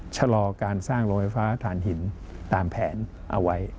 ชะลอการสร้างโรงไฟฟ้าฐานหินตามแผนเอาไว้